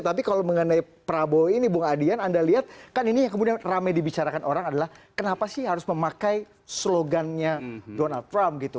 tapi kalau mengenai prabowo ini bung adian anda lihat kan ini yang kemudian ramai dibicarakan orang adalah kenapa sih harus memakai slogannya donald trump gitu